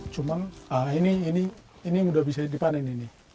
cuma ini udah bisa dipanen ini